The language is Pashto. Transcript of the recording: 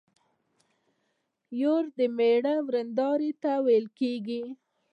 يور د مېړه ويرنداري ته ويل کيږي.